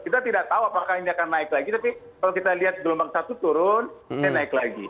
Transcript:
kita tidak tahu apakah ini akan naik lagi tapi kalau kita lihat gelombang satu turun saya naik lagi